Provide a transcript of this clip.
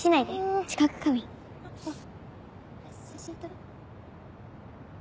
写真撮ろう。